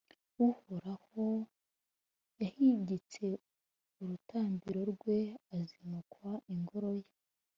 Uhoraho yahigitse urutambiro rwe, azinukwa Ingoro ye,